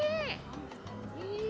iya jadi lain